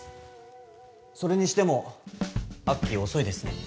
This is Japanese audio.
それにしてもアッキー遅いですね